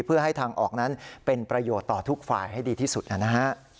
เพื่อให้ทางออกนั้นเป็นประโยชน์ต่อทุกฝ่ายให้ดีที่สุดนะฮะ